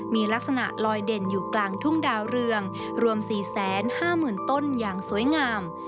มีลักษณะลอยเด่นอยู่กลางทุ่งดาวเรืองรวม๔๕๐๐๐ต้นอย่างสวยงาม